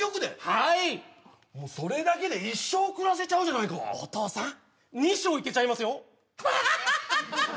はいもうそれだけで一生暮らせちゃうじゃないかお父さん二生いけちゃいますよハハハハッ